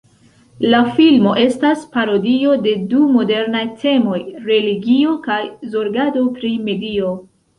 La filmo estas parodio de du modernaj temoj: religio kaj zorgado pri medio.